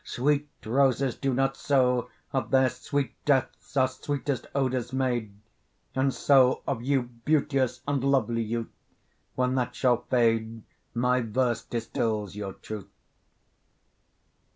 Sweet roses do not so; Of their sweet deaths, are sweetest odours made: And so of you, beauteous and lovely youth, When that shall vade, by verse distills your truth.